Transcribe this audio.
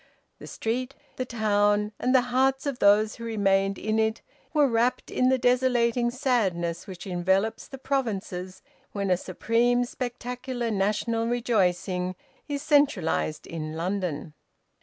The street, the town, and the hearts of those who remained in it, were wrapped in that desolating sadness which envelops the provinces when a supreme spectacular national rejoicing is centralised in London.